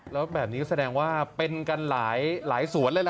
แล้วแบบนี้ก็แสดงว่าเป็นกันหลายสวนเลยล่ะ